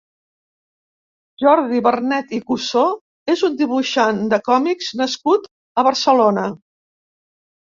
Jordi Bernet i Cussó és un dibuixant de còmics nascut a Barcelona.